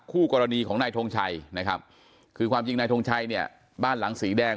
คู่กรณีของนายทงชัยนะครับคือความจริงนายทงชัยเนี่ยบ้านหลังสีแดง